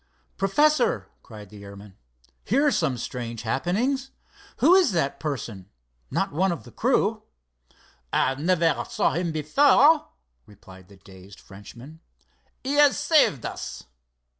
"Professor!" cried the airman. "Here are some strange happenings. Who is that person—not one of the crew?" "I never saw him before," replied the dazed Frenchman. "He has saved us."